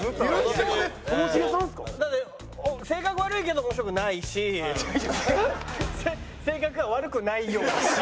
だって性格悪いけど面白くないし性格が悪くないようだし。